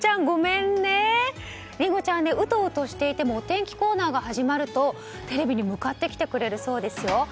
りんごちゃんはうとうとしていてもお天気コーナーが始まるとテレビに向かってきてくれるそうですよ。